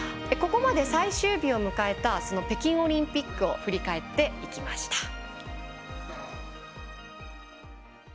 ここまで最終日を迎えた北京オリンピックを振り返っていきました。